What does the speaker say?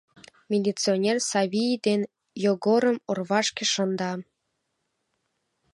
Милиционер Савли ден Йогорым орвашке шында.